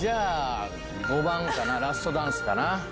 ５番かな「ラストダンス」かな。